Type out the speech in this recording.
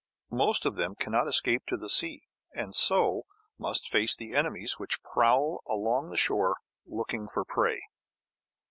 Most of them cannot escape to the sea, and so must face the enemies which prowl along the shore looking for prey.